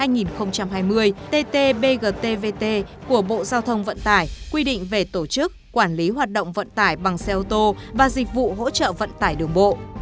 nghị định số một mươi hai nghìn hai mươi ttbgtvt của bộ giao thông vận tải quy định về tổ chức quản lý hoạt động vận tải bằng xe ô tô và dịch vụ hỗ trợ vận tải đường bộ